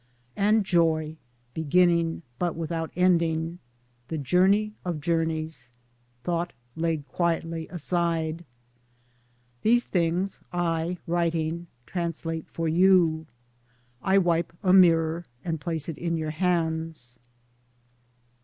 ] And Joy, beginning but without ending — the journey of journeys — Thought laid quietly aside : These things I, writing, translate for you — I wipe a mirror and place it in your hands.